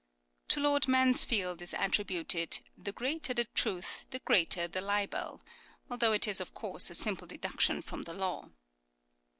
To Lord Mansfield is attributed " The greater the truth POPULAR PROVERBS 279 the greater the libel," though it is, of course, a simple deduction from the law.